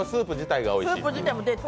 スープ自体も。